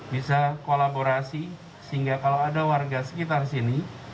bisa kolaborasi sehingga kalau ada warga sekitar sini